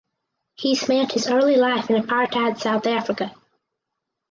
He spent his early life in apartheid South Africa.